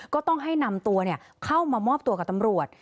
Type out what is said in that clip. ก็ต้องให้นำตัวเข้ามามอบตัวกับตำรวจ